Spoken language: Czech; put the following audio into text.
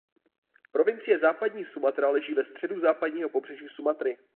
Provincie Západní Sumatra leží ve středu západního pobřeží Sumatry.